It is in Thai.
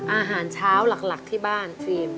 อาหารเช้าหลักที่บ้านครีม